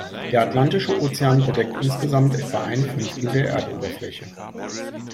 Der Atlantische Ozean bedeckt insgesamt etwa ein Fünftel der Erdoberfläche.